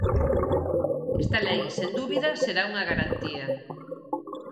Esta lei, sen dúbida, será unha garantía.